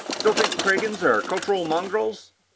Still think the Kragans are cultural mongrels?"